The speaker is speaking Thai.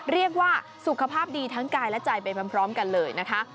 เรียกว่าสุขภาพดีทั้งกายและใจไปพร้อมกันเลยนะคะ